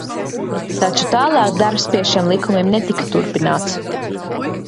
Taču tālāk darbs pie šiem likumiem netika turpināts.